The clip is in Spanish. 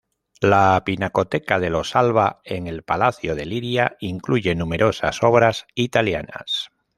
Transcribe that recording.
La pinacoteca de los Alba en el palacio de Liria incluye numerosas obras italianas.